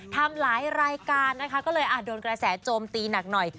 ทำหลายรายการนะคะก็เลยอาจโดนกระแสโจมตีหนักหน่อย